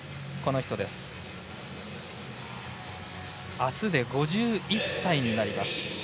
あすで５１歳になります。